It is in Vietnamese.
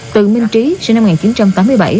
từ minh trí sinh năm một nghìn chín trăm tám mươi bảy